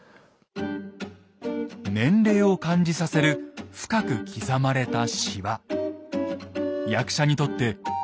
年齢を感じさせる深く刻まれたしわ。